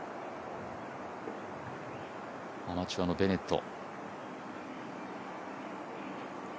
アマチュアのベネット。